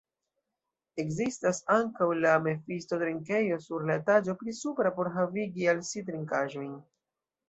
Ekzistas ankaŭ la Mephisto-trinkejo sur la etaĝo pli supra por havigi al si trinkaĵojn.